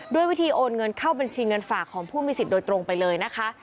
ด้วยวิธีโอนเงินเข้าบัญชีเงินฝากของผู้มีสิทธิ์โดยตรงไปเลยนะคะ